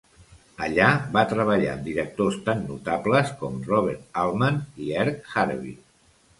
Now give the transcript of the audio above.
Allà va treballar amb directors tan notables com Robert Altman i Herk Harvey.